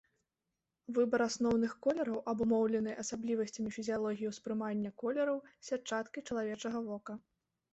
Выбар асноўных колераў абумоўлены асаблівасцямі фізіялогіі ўспрымання колераў сятчаткай чалавечага вока.